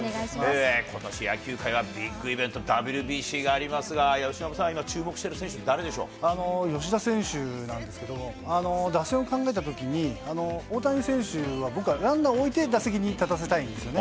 ことし、野球界はビッグイベント、ＷＢＣがありますが、由伸さんが今、吉田選手なんですけど、打線を考えたときに、大谷選手は僕はランナー置いて打席に立たせたいんですよね。